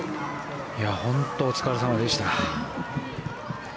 本当にお疲れ様でした。